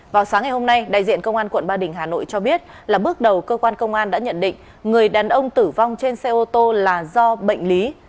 vào sáng ngày hôm nay đại diện công an quận ba đình hà nội cho biết là bước đầu cơ quan công an đã nhận định người đàn ông tử vong trên xe ô tô là do bệnh lý